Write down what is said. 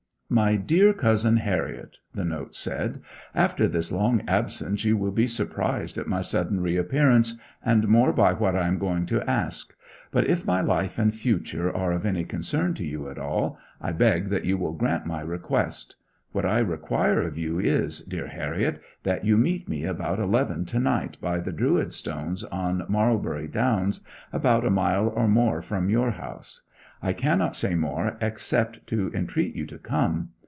"MY DEAR COUSIN HARRIET," the note said, "After this long absence you will be surprised at my sudden reappearance, and more by what I am going to ask. But if my life and future are of any concern to you at all, I beg that you will grant my request. What I require of you, is, dear Harriet, that you meet me about eleven to night by the Druid stones on Marlbury Downs, about a mile or more from your house. I cannot say more, except to entreat you to come.